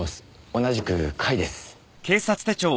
同じく甲斐です。